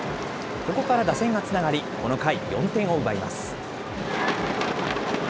ここから打線がつながり、この回４点を奪います。